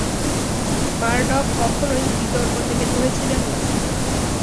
Murdoch কখনোই বিতর্ক থেকে দূরে ছিলেন না।